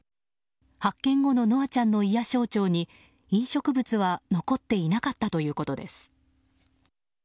発見後の稀華ちゃんの胃や小腸に飲食物は残っていなかったということです。